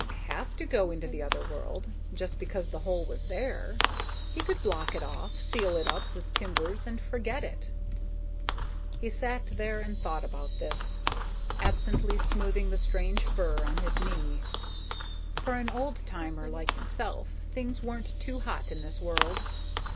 Of course, he didn't have to go into the other world, just because the hole was there. He could block it off, seal it up with timbers and forget it. He sat there and thought about this, absently smoothing the strange fur on his knee. For an old timer like himself, things weren't too hot in this world.